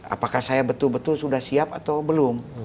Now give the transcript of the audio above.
apakah saya betul betul sudah siap atau belum